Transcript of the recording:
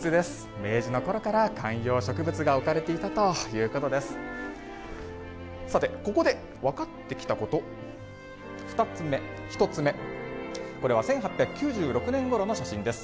明治のころから観葉植物が置かれていたということです。